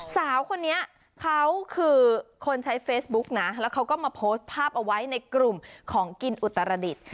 สาวคนนี้เขาคือคนใช้เฟซบุ๊กนะแล้วเขาก็มาโพสต์ภาพเอาไว้ในกลุ่มของกินอุตรดิษฐ์